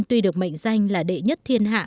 tuy được mệnh danh là đệ nhất thiên hạ